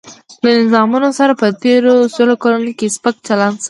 له نظامونو سره په تېرو سلو کلونو کې سپک چلن شوی.